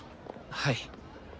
はい。